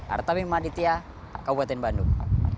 artami mahdithia kabupaten bandung